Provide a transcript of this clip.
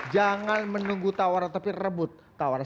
jangan menunggu tawaran tapi rebut tawaran